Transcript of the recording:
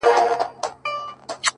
• وينه د وجود مي ده ژوندی يم پرې ـ